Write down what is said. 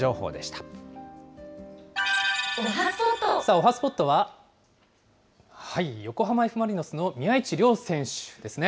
おはＳＰＯＴは、横浜Ｆ・マリノスの宮市亮選手ですね。